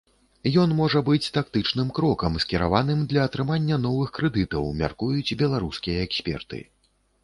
Ён можа быць тактычным крокам, скіраваным для атрымання новых крэдытаў, мяркуюць беларускія эксперты.